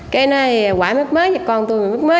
kế nơi quãng mất mớ con tôi mất mớ